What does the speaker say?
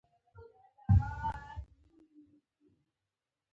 شین ټاغی د استاد شپون اثر دی.